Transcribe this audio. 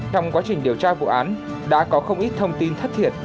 trong quá trình điều tra vụ án đã có không ít thông tin thất thiệt